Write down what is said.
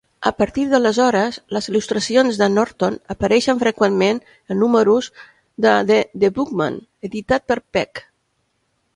A partir d'aleshores, les il·lustracions de Norton apareixen freqüentment en números de "The Bookman", editada per Peck.